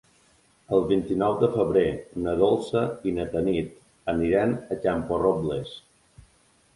El vint-i-nou de febrer na Dolça i na Tanit aniran a Camporrobles.